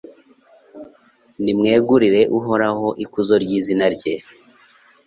nimwegurire Uhoraho ikuzo ry’izina rye